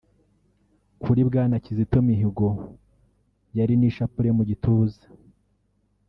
Kuri Bwana Kizito mihigo yari n’ishapure mu gituza